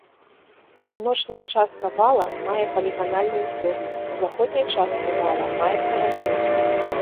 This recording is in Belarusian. Паўночная частка вала мае паліганальную форму, у заходняй частцы вала маецца разрыў.